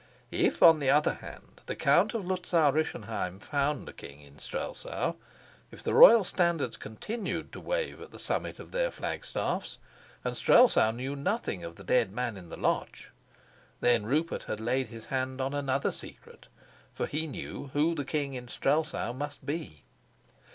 If, on the other hand, the Count of Luzau Rischenheim found a king in Strelsau, if the royal standards continued to wave at the summit of their flag staffs, and Strelsau knew nothing of the dead man in the lodge, then Rupert had laid his hand on another secret; for he knew who the king in Strelsau must be.